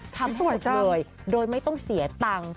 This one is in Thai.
ทั้งหมดเลยโดยไม่ต้องเสียตังค์